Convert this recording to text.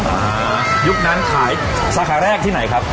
อ่ายุคนั้นขายสาขาแรกที่ไหนครับ